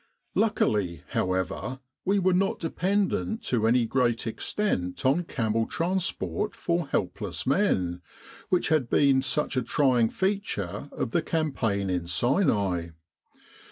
Luckily, however, we were not dependent to any great extent on camel transport for helpless men, which had been such a trying feature of the campaign in Sinai.